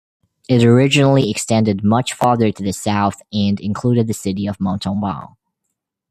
It originally extended much farther to the south and included the city of Montauban.